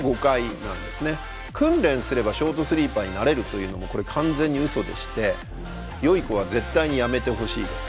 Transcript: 訓練すればショートスリーパーになれるというのもこれ完全にウソでしてよい子は絶対にやめてほしいです。